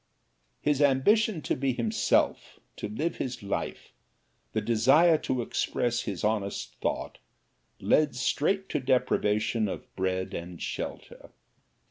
His ambition to be himself, to live his life, the desire to express his honest thought, led straight to deprivation of bread and shelter.